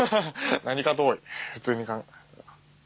何かと多い普通に。